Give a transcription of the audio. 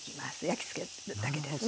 焼きつけるだけですね。